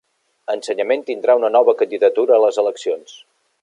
Ensenyament tindrà una nova candidatura a les eleccions